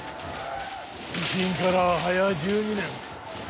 維新からはや１２年。